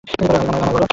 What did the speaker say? আগে আমায় বলো।